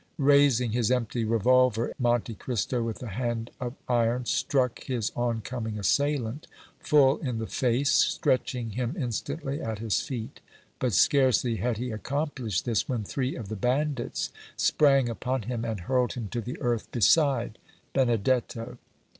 Raising his empty revolver, Monte Cristo with a hand of iron struck his on coming assailant full in the face, stretching him instantly at his feet; but scarcely had he accomplished this when three of the bandits sprang upon him and hurled him to the earth beside Benedetto.